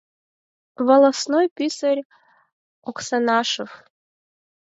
Волостной писарь Оксанашев.